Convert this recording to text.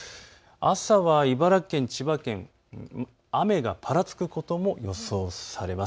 朝は茨城県、千葉県、雨がぱらつくことも予想されます。